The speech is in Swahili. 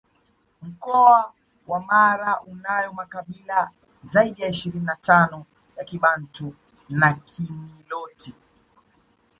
Mkoa wa Mara unayo makabila zaidi ya ishirini na tano ya Kibantu na Kiniloti